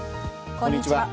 こんにちは。